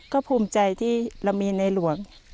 ก็ภูมิใจที่เรามีในหลวง